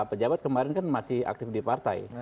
pejabat kemarin kan masih aktif di partai